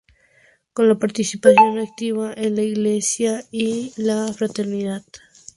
Con la participación activa en la Iglesia y la Fraternidad.